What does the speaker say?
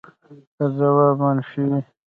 که ځواب منفي وي